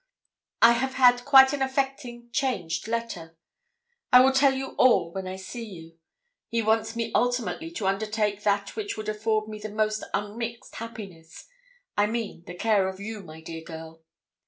I have had quite an affecting, changed letter. I will tell you all when I see you. He wants me ultimately to undertake that which would afford me the most unmixed happiness I mean the care of you, my dear girl.